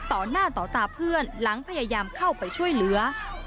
ต่อหน้าต่อตาเพื่อนหลังพยายามเข้าไปช่วยเหลือ